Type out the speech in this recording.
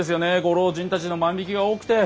ご老人たちの万引きが多くて。